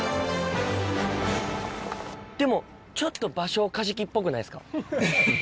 でもちょっとバショウカジキっぽくないですか？